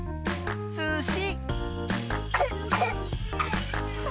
すし！